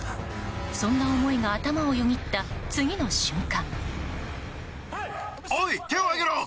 そんな思いが頭をよぎった次の瞬間！